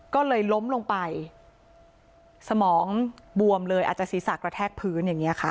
ก็เลยล้มลงไปสมองบวมเลยอาจจะศีรษะกระแทกพื้นอย่างเงี้ค่ะ